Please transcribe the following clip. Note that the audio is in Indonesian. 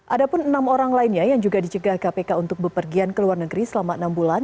ada pun enam orang lainnya yang juga dicegah kpk untuk bepergian ke luar negeri selama enam bulan